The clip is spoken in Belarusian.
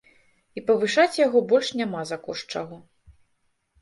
І павышаць яго больш няма за кошт чаго.